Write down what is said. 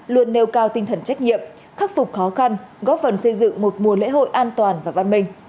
luôn nêu cao tinh thần trách nhiệm khắc phục khó khăn góp phần xây dựng một mùa lễ hội an toàn và văn minh